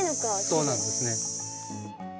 そうなんですね。